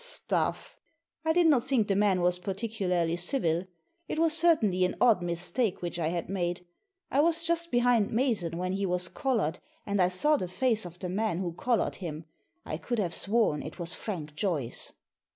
« Stuff!" I did not think the man was particularly civil. It was certainly an odd mistake which I had made. I was just behind Mason when he was collared, and I saw the face of the man who collared him. I could have sworn it was Frank Joyce